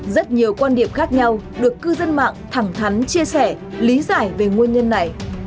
rất nhiều quan điểm khác nhau được cư dân mạng thẳng thắn chia sẻ lý giải về nguyên nhân này